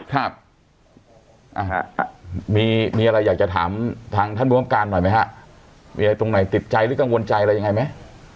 ครับอ่าฮะมีมีอะไรอยากจะถามทางท่านผู้บังการหน่อยไหมฮะมีอะไรตรงไหนติดใจหรือกังวลใจอะไรยังไงไหม